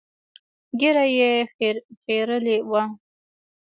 ږيره يې خرييلې وه.